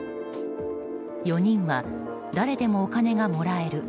４人は誰でもお金がもらえる。